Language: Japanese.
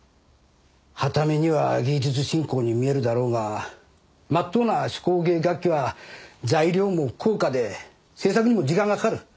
はた目には芸術振興に見えるだろうがまっとうな手工芸楽器は材料も高価で製作にも時間がかかる。